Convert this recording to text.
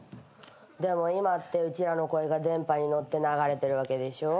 「でも今ってうちらの声が電波にのって流れてるわけでしょ」